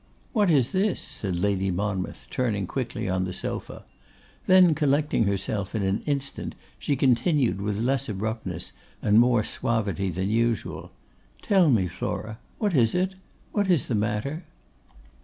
'What is this?' said Lady Monmouth, turning quickly on the sofa; then, collecting herself in an instant, she continued with less abruptness, and more suavity than usual, 'Tell me, Flora, what is it; what is the matter?